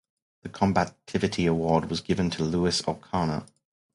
The combativity award was given to Luis Ocana.